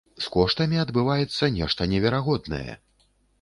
З коштамі адбываецца нешта неверагоднае.